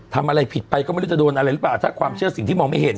ทำอะไรผิดไปก็ไม่รู้จะโดนอะไรหรือเปล่าถ้าความเชื่อสิ่งที่มองไม่เห็น